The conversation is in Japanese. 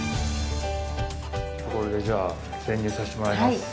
これでじゃあ潜入させてもらいます。